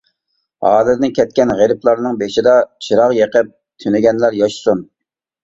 ھالىدىن كەتكەن غېرىبلارنىڭ بېشىدا، چىراغ يېقىپ تۈنىگەنلەر ياشىسۇن!